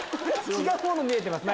違うもの見えてます。